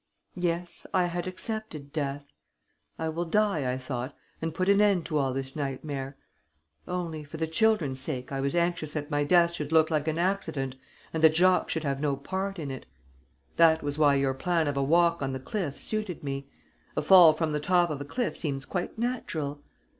Yes, I had accepted death: 'I will die,' I thought, 'and put an end to all this nightmare!'... Only, for the children's sake, I was anxious that my death should look like an accident and that Jacques should have no part in it. That was why your plan of a walk on the cliff suited me.... A fall from the top of a cliff seems quite natural